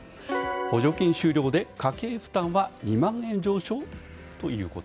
補助金終了で家計負担は２万円上昇？